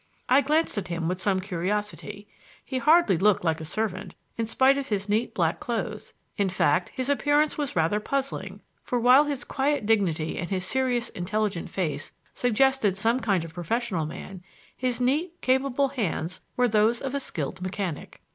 I glanced at him with some curiosity. He hardly looked like a servant, in spite of his neat, black clothes; in fact, his appearance was rather puzzling, for while his quiet dignity and his serious intelligent face suggested some kind of professional man, his neat, capable hands were those of a skilled mechanic.